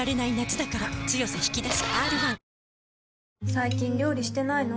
最近料理してないの？